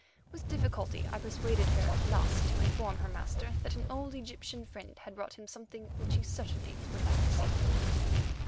With difficulty I persuaded her at last to inform her master that an old Egyptian friend had brought him something which he certainly would like to see.